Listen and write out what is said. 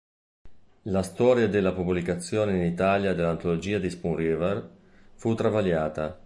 La storia della pubblicazione in Italia dell"'Antologia di Spoon River" fu travagliata.